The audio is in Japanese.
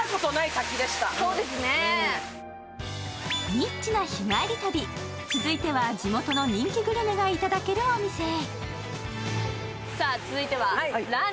ニッチな日帰り旅、続いては地元の人気グルメがいただけるお店へ。